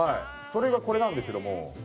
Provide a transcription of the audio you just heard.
それがこれなんですけども。